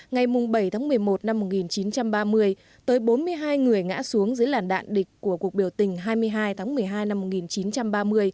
ngày bảy tháng một mươi một năm một nghìn chín trăm ba mươi tới bốn mươi hai người ngã xuống dưới làn đạn địch của cuộc biểu tình hai mươi hai tháng một mươi hai năm một nghìn chín trăm ba mươi